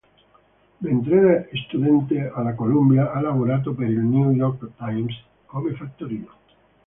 Mentre era studente alla Columbia, ha lavorato per il "New York Times" come fattorino.